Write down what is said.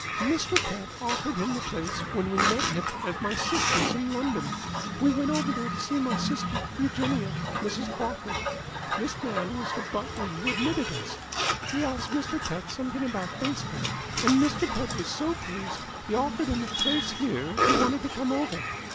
"Mr. Pett offered him the place when we met him at my sister's in London. We went over there to see my sister, Eugenia Mrs. Crocker. This man was the butler who admitted us. He asked Mr. Pett something about baseball, and Mr. Pett was so pleased that he offered him a place here if he wanted to come over.